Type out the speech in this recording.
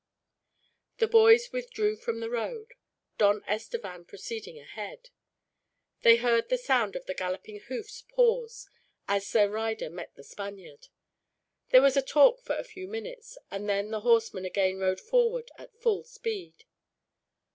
The boys withdrew from the road, Don Estevan proceeding ahead. They heard the sound of the galloping hoofs pause, as their rider met the Spaniard. There was a talk for a few minutes, and then the horseman again rode forward at full speed.